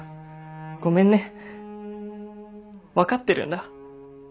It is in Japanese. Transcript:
ごめんね。分かってるんだ。